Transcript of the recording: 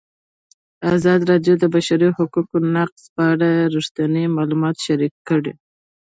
ازادي راډیو د د بشري حقونو نقض په اړه رښتیني معلومات شریک کړي.